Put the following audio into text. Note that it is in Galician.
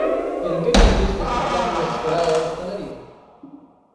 E en que consiste este plan de desescalada da hostalería?